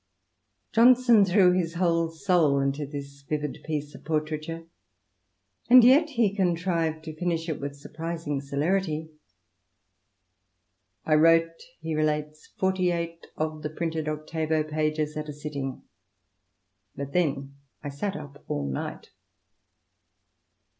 Johnson threw his whole soul into this vivid piece of portraiture; and yet he contrived to finish it with surprising celerity. "I wrote," he relates, "forty eight of the printed octavo pages, at a sitting; but then I sat up all night."